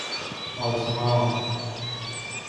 آزما